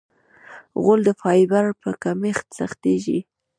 غول د فایبر په کمښت سختېږي.